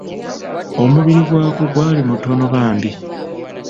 Omubiri gwako gwali mutono bambi.